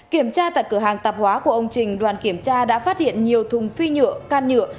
kiểm tra tại cửa hàng tạp hóa của ông trình đoàn kiểm tra đã phát hiện nhiều thùng phi nhựa can nhựa